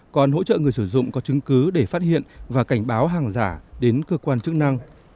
còn hỗ trợ người sử dụng có chứng cứ để phát hiện và cảnh báo hàng giả đến cơ quan chức năng